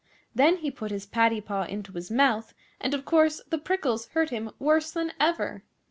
Then he put his paddy paw into his mouth, and of course the prickles hurt him worse than ever.